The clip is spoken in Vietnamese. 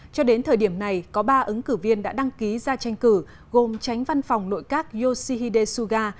cho đến thời điểm này có ba ứng cử viên đã đăng ký ra tranh cử gồm tránh văn phòng nội các yoshihide suga